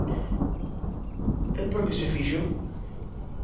E ¿por que se fixo?